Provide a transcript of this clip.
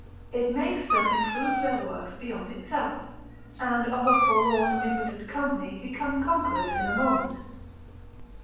It makes them improve their worth beyond itself, and of a forlorn impotent company become conquerors in a moment.